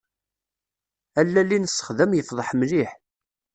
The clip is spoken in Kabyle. Allal i nessexdem yefḍeḥ mliḥ.